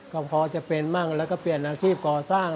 คล้ำคลอจะเป็นมากแล้วก็เปลี่ยนอาชีพก่อสร้าง